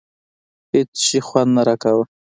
هېڅ شي خوند نه راکاوه.